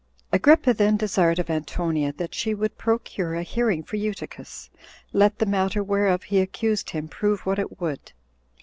Agrippa then desired of Antonia that she would procure a hearing for Eutychus, let the matter whereof he accused him prove what it would.